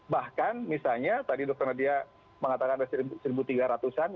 bahkan misalnya tadi dokter nadia mengatakan ada satu tiga ratus an